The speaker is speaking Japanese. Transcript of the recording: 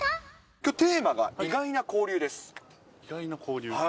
きょう、テーマが意外な交流意外な交流？